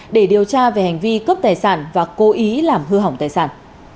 để điều tra về hành vi cướp tài sản và cố ý làm hư hỏng tài sản